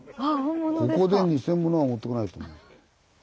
ここで偽物は持ってこないと思う。